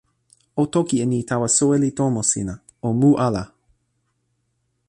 o toki e ni tawa soweli tomo sina: o mu ala.